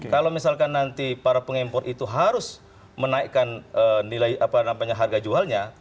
kalau misalkan nanti para pengimpor itu harus menaikkan nilai harga jualnya